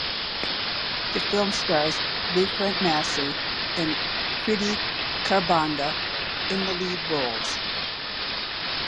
The film stars Vikrant Massey and Kriti Kharbanda in the lead roles.